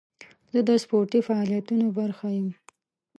زه د سپورتي فعالیتونو برخه یم.